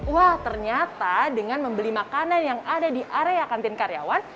wah ternyata dengan membeli makanan yang ada di area kantin karyawan